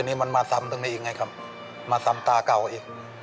นี่มันมาซ้ำตรงนี้อีกไงครับมาซ้ำตาเก่าอีก